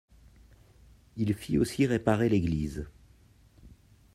Il fit aussi réparer l’église.